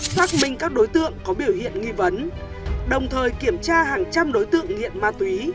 xác minh các đối tượng có biểu hiện nghi vấn đồng thời kiểm tra hàng trăm đối tượng nghiện ma túy